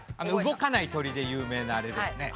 動かない鳥で有名なあれですね。